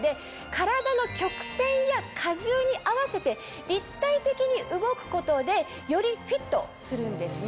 体の曲線や加重に合わせて立体的に動くことでよりフィットするんですね。